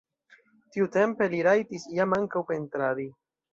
Tiutempe li rajtis jam ankaŭ pentradi.